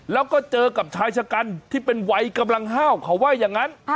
แล้วก็เจอกับชายชะกันที่เป็นวัยกำลังห้าวเขาว่าอย่างนั้น